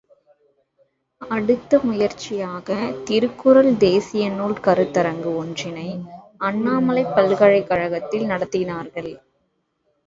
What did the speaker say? அடுத்த முயற்சியாக திருக்குறள் தேசியநூல் கருத்தரங்கு ஒன்றினை அண்ணாமலைப் பல்கலைக் கழகத்தில் நடத்தினார்கள்.